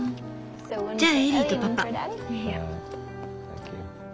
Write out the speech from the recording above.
じゃあエリーとパパ。